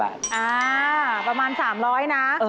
อ่าประมาณ๓๐๐นะ